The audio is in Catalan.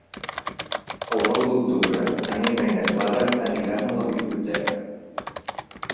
El nou d'octubre na Nina i na Clara aniran a la biblioteca.